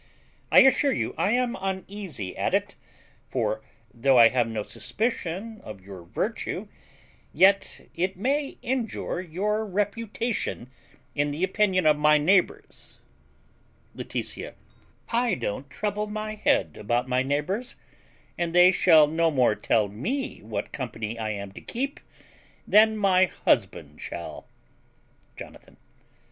I assure you I am uneasy at it; for, though I have no suspicion of your virtue, yet it may injure your reputation in the opinion of my neighbours. Laetitia. I don't trouble my head about my neighbours; and they shall no more tell me what company I am to keep than my husband shall. Jonathan.